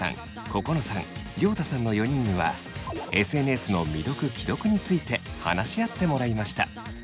ここのさん涼太さんの４人にはＳＮＳの未読・既読について話し合ってもらいました。